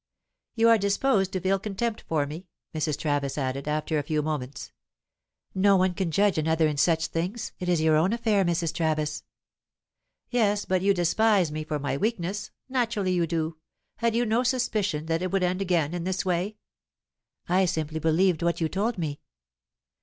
"You are disposed to feel contempt for me," Mrs. Travis added, after a few moments. "No one can judge another in such things. It is your own affair, Mrs. Travis." "Yes, but you despise me for my weakness, naturally you do. Had you no suspicion that it would end again in this way?" "I simply believed what you told me."